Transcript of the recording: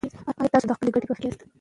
ایا تاسو د خپلې ګټې په فکر کې یاست.